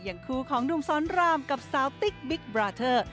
อย่างคู่ของดุมซ้อนรามกับเซาติกบิ๊กบราเทอร์